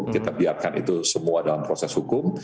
kita biarkan itu semua dalam proses hukum